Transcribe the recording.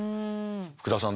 福田さん